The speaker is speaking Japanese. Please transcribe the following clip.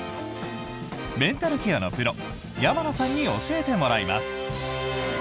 メンタルケアのプロ山名さんに教えてもらいます。